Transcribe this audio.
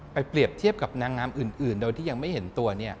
เปรียบเทียบกับนางงามอื่นโดยที่ยังไม่เห็นตัว